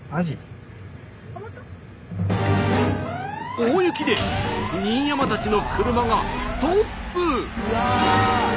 大雪で新山たちの車がストップ！